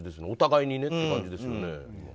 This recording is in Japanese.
お互いにねって感じですね。